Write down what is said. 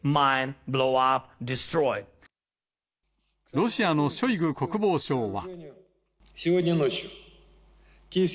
ロシアのショイグ国防相は。